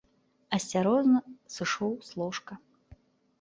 Асцярожна сышоў з ложка.